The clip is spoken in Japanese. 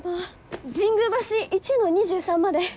神宮橋１の２３まで。